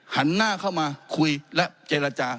หันหน้าเข้ามาคุยและเจรจา